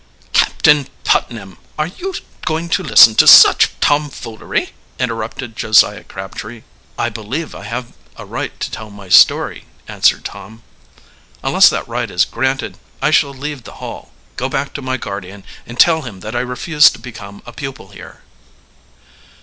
"Captain Putnam, are you going to listen to such tomfoolery?" interrupted Josiah Crabtree. "I believe I have a right to tell my story," answered Tom. "Unless that right is granted, I shall leave the Hall, go back to my guardian, and tell him that I refuse to become a pupil here."